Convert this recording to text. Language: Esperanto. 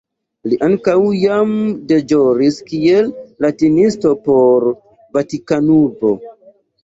Li ankaŭ jam deĵoris kiel latinisto por Vatikanurbo.